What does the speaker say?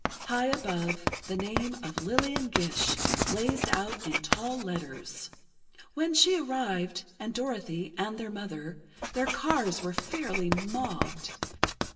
High above, the name of LILLIAN GISH blazed out in tall letters. When she arrived, and Dorothy, and their mother, their cars were fairly mobbed.